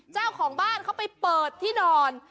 เจ้าของบ้านเขาไปเปิดที่นอน